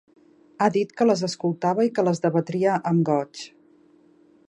Ha dit que les escoltava i que les debatria amb goig.